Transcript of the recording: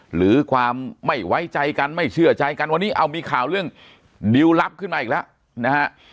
หรือความไม่ไว้ใจกันไม่เชื่อใจกันวันนี้เอามีข่าวเรื่องดิวลับขึ้นมาอีกแล้วนะฮะ